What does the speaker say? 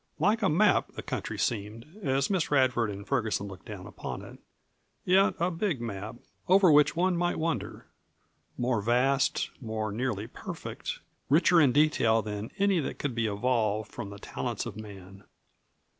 Like a map the country seemed as Miss Radford and Ferguson looked down upon it, yet a big map, over which one might wonder; more vast, more nearly perfect, richer in detail than any that could be evolved from the talents of man.